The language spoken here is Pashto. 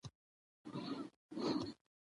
چې تر نورو ملګرو ورسیږي.